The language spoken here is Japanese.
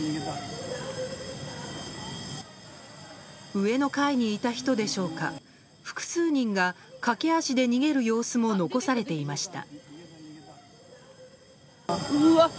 上の階にいた人でしょうか複数人が駆け足で逃げる様子も残されていました。